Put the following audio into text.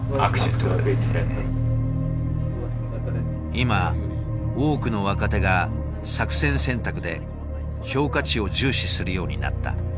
今多くの若手が作戦選択で評価値を重視するようになった。